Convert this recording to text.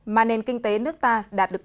mà nền kinh tế nước ta đạt được